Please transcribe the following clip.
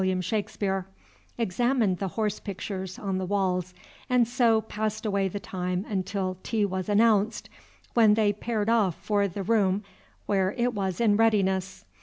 Shakespeare, examined the horse pictures on the walls, and so passed away the time until tea was announced, when they paired off for the room where it was in readiness.